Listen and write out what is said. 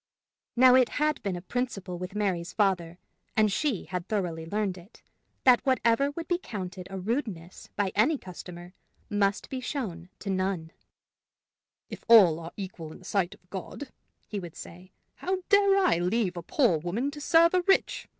Now it had been a principle with Mary's father, and she had thoroughly learned it, that whatever would be counted a rudeness by any customer, must be shown to none. "If all are equal in the sight of God," he would say, "how dare I leave a poor woman to serve a rich?